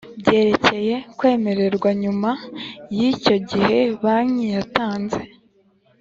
byerekeye kwemererwa nyuma y icyo gihe banki yatanze